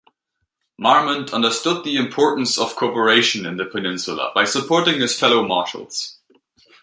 Marmont understood the importance of cooperation in the Peninsula by supporting his fellow marshals.